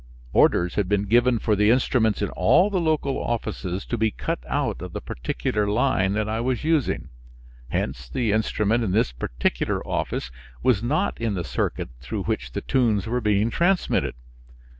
Orders had been given for the instruments in all the local offices to be cut out of the particular line that I was using. Hence the instrument in this particular office was not in the circuit through which the tunes were being transmitted.